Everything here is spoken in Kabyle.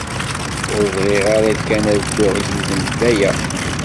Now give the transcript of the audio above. Ur bɣiɣ ara kan ad dduɣ yid-m, d aya.